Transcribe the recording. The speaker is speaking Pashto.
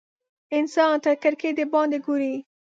انسان تر کړکۍ د باندې ګوري.